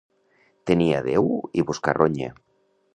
Tenir a Déu i buscar ronya.